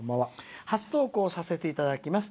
初投稿させていただきます。